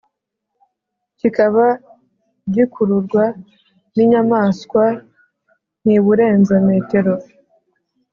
Kikaba gikururwa n inyamaswa ntiburenza metero